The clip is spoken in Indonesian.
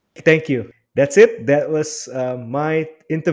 masalah yang akan diselesaikan dalam waktu pendek